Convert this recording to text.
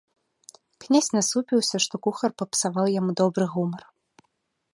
Князь насупіўся, што кухар папсаваў яму добры гумар.